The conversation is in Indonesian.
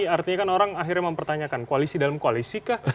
artinya kan orang akhirnya mempertanyakan koalisi dalam koalisi kah